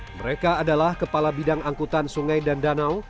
mereka adalah kepala bidang angkutan sungai dan danau